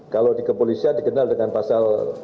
kalau di kepolisian dikenal dengan pasal tiga ratus empat puluh